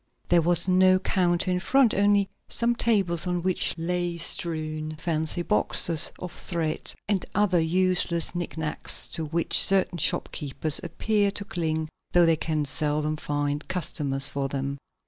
There was no counter in front, only some tables on which lay strewn fancy boxes of thread and other useless knick knacks to which certain shopkeepers appear to cling though they can seldom find customers for them.